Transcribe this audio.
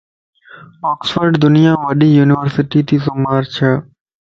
اوڪسفورڊ دنيا مَ وڏي يونيورسٽي شمار تي چھه